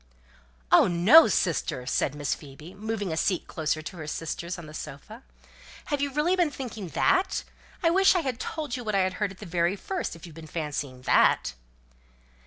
"Oh no, sister!" said Miss Phoebe, moving to a seat close to her sister's on the sofa. "Have you really been thinking that! I wish I had told you what I heard at the very first, if you've been fancying that!"